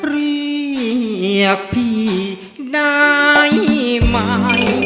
เรียกพี่ได้ไหม